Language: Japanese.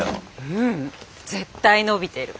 ううん絶対伸びてる。